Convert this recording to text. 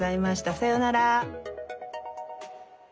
さようなら。